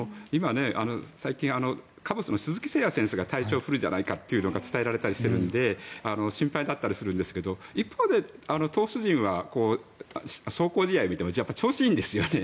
最近、カブスの鈴木誠也選手が体調不良じゃないかと伝えられているので心配だったりするんですが一方で投手陣は壮行試合を見ても調子がいいんですよね。